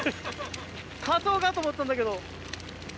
カツオかと思ったんだけど。